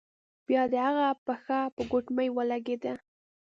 بیا د هغه پښه په ګوتمۍ ولګیده.